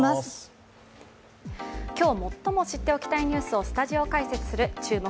今日最も知っておきたいニュースをスタジオ解説する「注目！